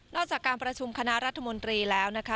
จากการประชุมคณะรัฐมนตรีแล้วนะคะ